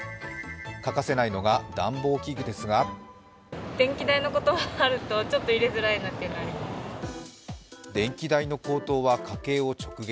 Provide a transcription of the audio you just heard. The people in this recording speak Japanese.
欠かせないのが暖房器具ですが電気代の高騰は家計を直撃。